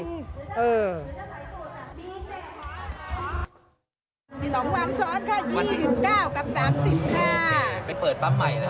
สองวันช้อนค่ะยี่สิบเก้ากับสามสิบค่ะไปเปิดปั๊มใหม่นะคะ